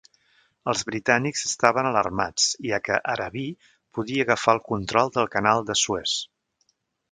Els britànics estaven alarmats, ja que Arabí podia agafar el control del Canal de Suez.